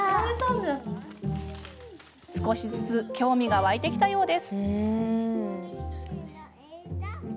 少しずつ興味が湧いてきたようです。